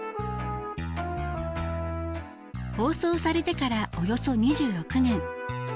放送されてからおよそ２６年。